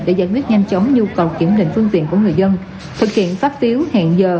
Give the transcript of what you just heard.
để giải quyết nhanh chóng nhu cầu kiểm định phương tiện của người dân thực hiện phát phiếu hẹn giờ